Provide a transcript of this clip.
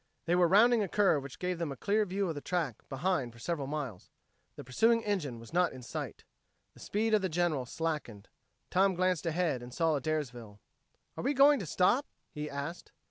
They were rounding a curve which gave them a clear view of the track behind for several miles. The pursuing engine was not in sight. The speed of the General slackened. Tom glanced ahead and saw Adairsville. "Are we going to stop?" he asked.